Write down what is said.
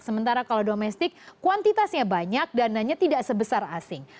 sementara kalau domestik kuantitasnya banyak dananya tidak sebesar asing